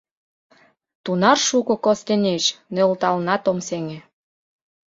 Тунар шуко костенеч — нӧлталынат ом сеҥе.